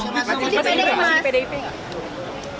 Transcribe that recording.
masih masih di pdip nggak